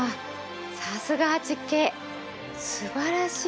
さすが８Ｋすばらしい色！